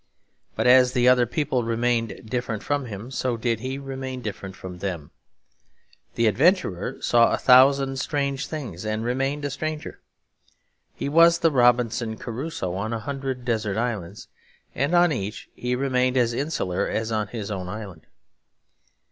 But as the other people remained different from him, so did he remain different from them. The adventurer saw a thousand strange things and remained a stranger. He was the Robinson Crusoe on a hundred desert islands; and on each he remained as insular as on his own island.